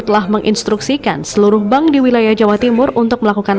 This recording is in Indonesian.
telah menginstruksikan seluruh bank di wilayah jawa timur untuk melakukan